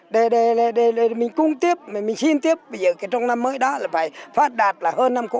để mình cung tiếp mình xin tiếp bây giờ cái trong năm mới đó là phải phát đạt là hơn năm cũ